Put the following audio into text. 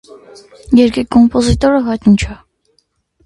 Երգի կոմպոզիտորը հայտնի չէ։